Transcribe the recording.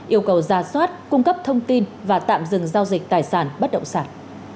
yêu cầu ra soát cung cấp thông tin và tạm dừng giao dịch tài sản bất động sản